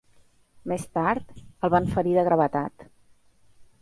Més tard el van ferir de gravetat.